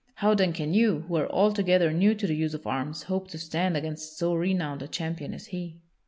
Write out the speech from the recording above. How then can you, who are altogether new to the use of arms, hope to stand against so renowned a champion as he?"